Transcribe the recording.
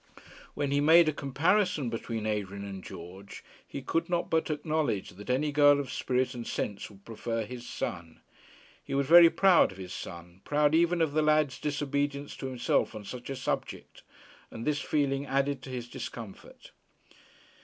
When he made a comparison between Adrian and George, he could not but acknowledge that any girl of spirit and sense would prefer his son. He was very proud of his son, proud even of the lad's disobedience to himself on such a subject; and this feeling added to his discomfort.